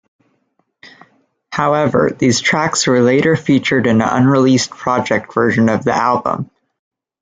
However, these tracks were later featured in an unreleased project version of the album.